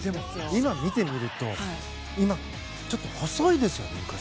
今、見てみるとちょっと細いですよね、昔。